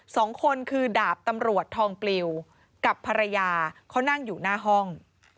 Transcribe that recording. สองคนคือดาบตำรวจทองปลิวกับภรรยาเขานั่งอยู่หน้าห้อง